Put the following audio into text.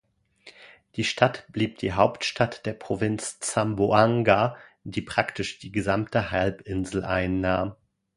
Die Stadt blieb die Hauptstadt der Provinz Zamboanga, die praktisch die gesamte Halbinsel einnahm.